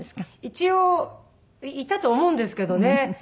一応いたと思うんですけどね。